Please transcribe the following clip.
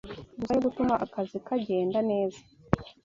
gusa yo gutuma akazi kagenda neza.